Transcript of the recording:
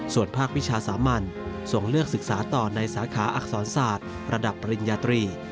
ส่วนภาควิชาสามัญส่งเลือกศึกษาต่อในสาขาอักษรศาสตร์ระดับปริญญาตรี